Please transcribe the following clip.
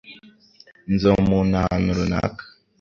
Nzi uwo muntu ahantu runaka.